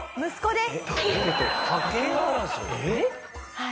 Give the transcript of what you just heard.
はい。